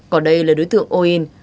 còn đây là đối tượng o in